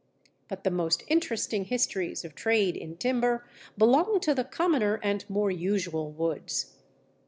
But the most interesting histories of trade in timber belong to the commoner and more usual woods.